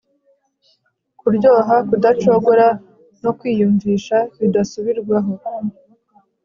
Kuryoshya kudacogora no kwiyumvisha bidasubirwaho